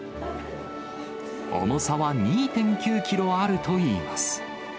重さは２．９キロあるといいます。